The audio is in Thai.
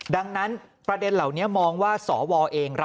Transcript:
ดังนั้นประเด็นเหล่านี้มองว่าสวเอง